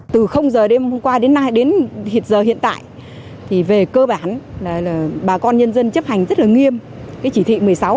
từ giờ đêm hôm qua đến hiện giờ hiện tại về cơ bản là bà con nhân dân chấp hành rất nghiêm chỉ thị một mươi sáu